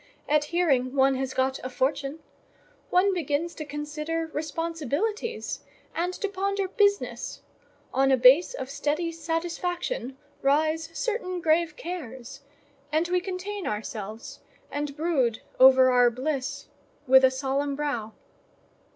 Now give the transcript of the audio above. at hearing one has got a fortune; one begins to consider responsibilities, and to ponder business; on a base of steady satisfaction rise certain grave cares, and we contain ourselves, and brood over our bliss with a solemn brow.